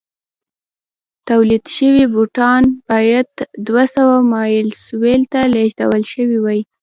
تولید شوي بوټان باید دوه سوه مایل سویل ته لېږدول شوي وای.